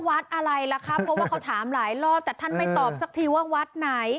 อะไรล่ะครับเพราะว่าเขาถามหลายรอบแต่ท่านไม่ตอบสักทีว่าวัดไหน